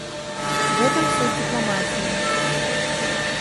В этом суть дипломатии.